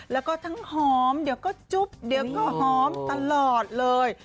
แล้วก็ทั้งหอมเดี๋ยวก็จุ๊บเดี๋ยวก็หอมตลอดเลย